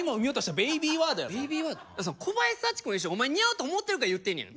小林幸子の衣装お前に似合うと思ってるから言ってんねやろ。